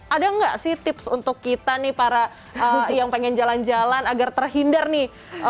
ada nggak sih tips untuk kita nih para yang pengen jalan jalan agar terhindar nih